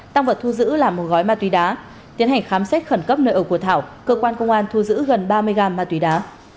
tăng vật thu giữ là một gói ma túy đá tiến hành khám xét khẩn cấp nơi ở của thảo cơ quan công an thu giữ gần ba mươi gam ma túy đá